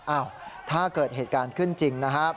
ถ้าเกิดเหตุการณ์ขึ้นจริงนะครับ